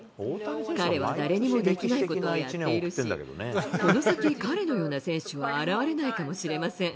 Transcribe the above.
彼は誰にもできないことをやっているし、この先、彼のような選手は現れないかもしれません。